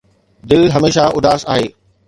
دل هميشه اداس آهي